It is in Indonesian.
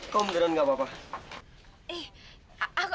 kau mundurin gak apa apa